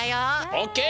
オッケー！